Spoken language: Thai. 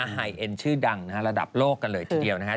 ไฮเอ็นชื่อดังระดับโลกกันเลยทีเดียวนะครับ